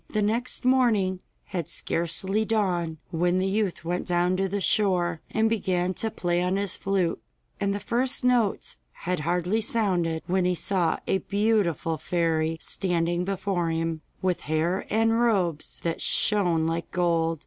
The next morning had scarcely dawned when the youth went down to the shore, and began to play on his flute, and the first notes had hardly sounded when he saw a beautiful fairy standing before him, with hair and robes that shone like gold.